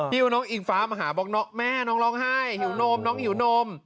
ว่าน้องอิงฟ้ามาหาบอกแม่น้องร้องไห้หิวนมน้องหิวนม